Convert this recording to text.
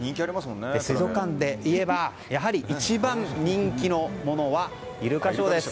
水族館といえば一番人気のものはイルカショーです。